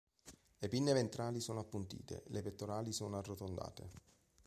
Le pinne ventrali sono appuntite, le pettorali sono arrotondate.